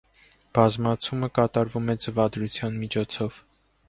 Բազմացումը կատարվում է ձվադրության միջոցով։